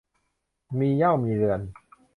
มีเหย้ามีเรือน